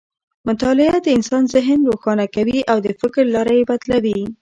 مطالعه د انسان ذهن روښانه کوي او د فکر لاره یې بدلوي.